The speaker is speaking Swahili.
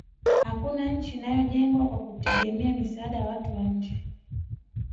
hakuna nchi inayojengwa kwa kutegemea misaada ya watu wa nje